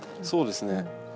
そうですね。